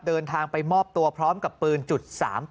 เดินทางไปมอบตัวพร้อมกับปืน๓๘